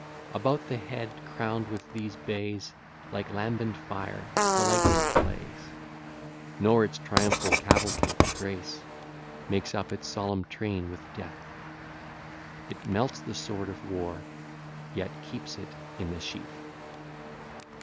About the head crown'd with these bays, Like lambent fire, the lightning plays; Nor, its triumphal cavalcade to grace, Makes up its solemn train with death; It melts the sword of war, yet keeps it in the sheath.